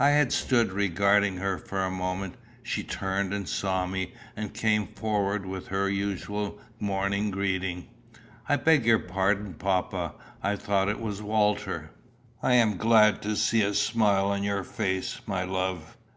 I had stood regarding her for a moment. She turned and saw me, and came forward with her usual morning greeting. "I beg your pardon, papa: I thought it was Walter." "I am glad to see a smile on your face, my love."